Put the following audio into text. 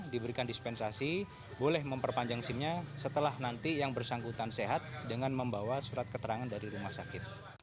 diberikan dispensasi boleh memperpanjang simnya setelah nanti yang bersangkutan sehat dengan membawa surat keterangan dari rumah sakit